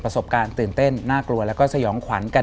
สบการตื่นเต้นน่ากลัวแล้วก็สยองขวัญกัน